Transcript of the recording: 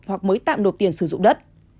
hoặc mới tạm nộp tiền sử dụng đất